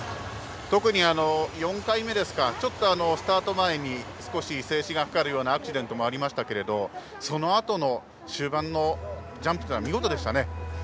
特に４回目ですかスタート前に少し静止がかかるようなアクシデントもありましたがそのあとの終盤のジャンプというのは見事でしたね。